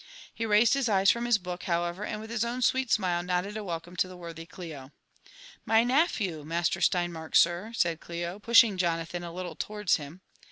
He raised his eyes from his book, however, and with his own sweet smile nodded a welcome to the worthy CUo. ''My nephew, Master Steinmark, sir!" said Clio, pushing Jona than a little towards him.